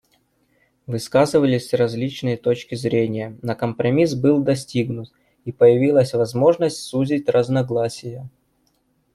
Высказывались различные точки зрения, но компромисс был достигнут, и появилась возможность сузить разногласия.